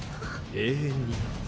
永遠にな。